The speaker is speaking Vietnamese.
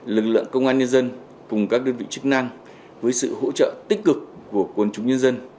lực lượng công an nhân dân cùng các đơn vị chức năng với sự hỗ trợ tích cực của quân chúng nhân dân